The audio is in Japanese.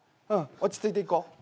落ち着いていこう。